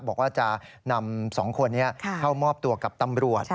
บอกว่าจะนำ๒คนนี้เข้ามอบตัวกับตำรวจ